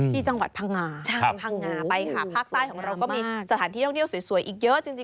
ที่จังหวัดพังงาพังงาไปค่ะภาคใต้ของเราก็มีสถานที่ท่องเที่ยวสวยอีกเยอะจริง